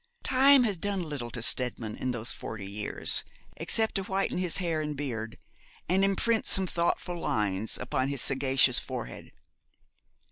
Time had done little to Steadman in those forty years, except to whiten his hair and beard, and imprint some thoughtful lines upon his sagacious forehead.